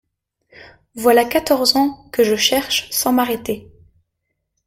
Voilà quatorze ans que je cherche sans m'arrêter.